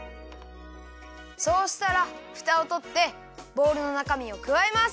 そうしたらふたをとってボウルのなかみをくわえます。